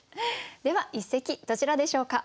では一席どちらでしょうか？